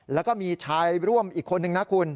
แล้วก็มีชายร่วมอีกคนนึงนะคุณ